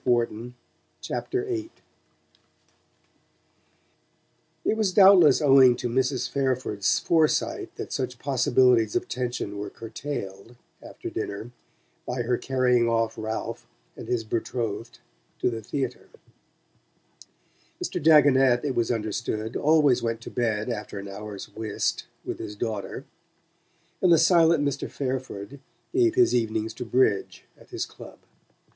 VIII It was doubtless owing to Mrs. Fairford's foresight that such possibilities of tension were curtailed, after dinner, by her carrying off Ralph and his betrothed to the theatre. Mr. Dagonet, it was understood, always went to bed after an hour's whist with his daughter; and the silent Mr. Fairford gave his evenings to bridge at his club.